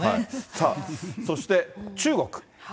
さあ、そして、中国。